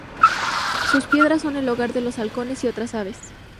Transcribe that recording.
Sus piedras son el hogar de los halcones y otras aves.